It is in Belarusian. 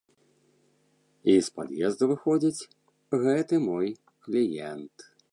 І з пад'езду выходзіць гэты мой кліент.